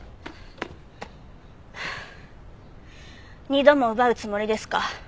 二度も奪うつもりですか？